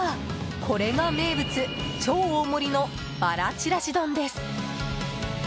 これが名物超大盛りの、ばらちらし丼です。